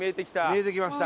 見えてきました。